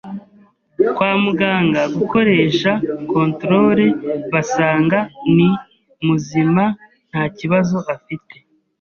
kwa muganga gukoresha controle basanga ni muzima nta kibazo afite